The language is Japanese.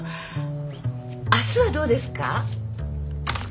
明日はどうですか？